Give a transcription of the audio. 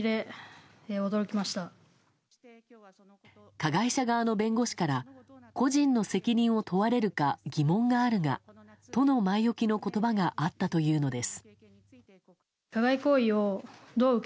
加害者側の弁護士から個人の責任を問われるか疑問があるがとの前置きの言葉があったというのです。